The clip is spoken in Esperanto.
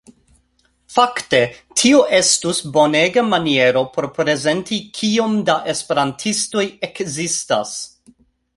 Fakte tio estus bonega maniero por prezenti kiom da esperantistoj ekzistas.